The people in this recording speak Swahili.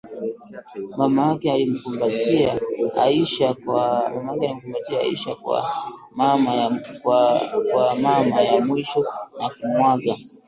Mamake alimkumbatia Aisha kwa mara ya mwisho na kumwaga